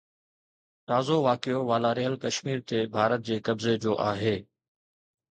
تازو واقعو والاريل ڪشمير تي ڀارت جي قبضي جو آهي.